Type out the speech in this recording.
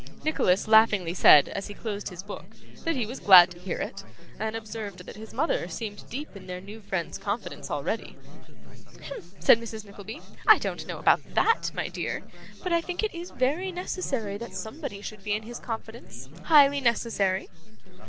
Nicholas laughingly said, as he closed his book, that he was glad to hear it, and observed that his mother seemed deep in their new friend's confidence already. 'Hem!' said Mrs. Nickleby. 'I don't know about that, my dear, but I think it is very necessary that somebody should be in his confidence; highly necessary.